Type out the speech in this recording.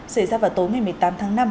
xảy ra vào tối một mươi tám tháng năm